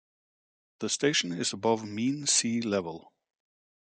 The station is above mean sea level.